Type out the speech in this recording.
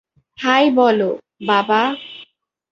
High বলো, বাবা।